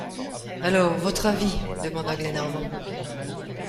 Alors, votre avis ?... demanda Glenarvan.